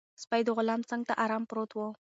سپی د غلام څنګ ته ارام پروت و.